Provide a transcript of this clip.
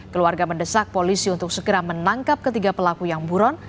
keluarga mendesak polisi untuk segera menangkap ketiga pelaku yang buron